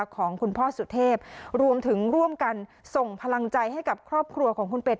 ของคุณพ่อสุเทพรวมถึงร่วมกันส่งพลังใจให้กับครอบครัวของคุณเป็ด